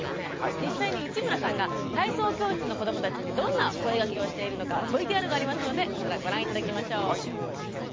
実際に内村さんが体操教室の子どもたちにどんな声がけをしているのかＶＴＲがありますのでこちらご覧頂きましょう。